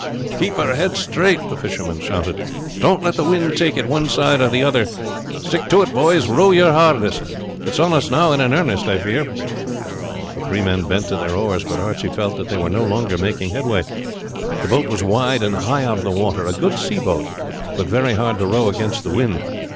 "Keep her head straight!" the fisherman shouted. "Don't let the wind take it one side or the other. Stick to it, boys; row your hardest; it is on us now and in earnest, I fear." The three men bent to their oars, but Archie felt that they were no longer making headway. The boat was wide and high out of the water; a good sea boat, but very hard to row against the wind.